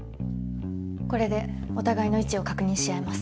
これでお互いの位置を確認し合えます。